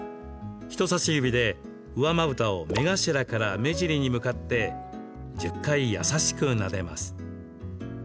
人さし指で、上まぶたを目頭から目尻に向かって１０回優しくなでます。